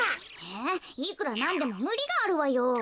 えいくらなんでもむりがあるわよ。